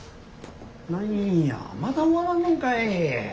何やまだ終わらんのんかい。